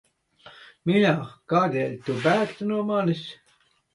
Mīļā, kādēļ lai tu bēgtu no manis?